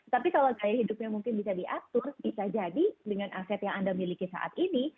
tapi kalau gaya hidupnya mungkin bisa diatur bisa jadi dengan aset yang anda miliki saat ini